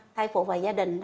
thai phụ và gia đình